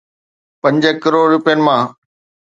پنج ڪروڙ روپين مان